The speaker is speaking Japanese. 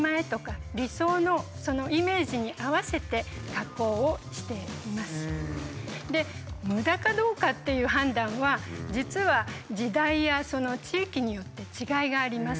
私たちは無駄かどうかっていう判断は実は時代やその地域によって違いがあります。